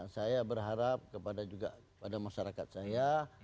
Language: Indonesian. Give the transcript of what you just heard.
saya berharap kepada juga kepada masyarakat saya